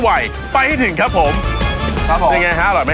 หัวได้ทีนะครับ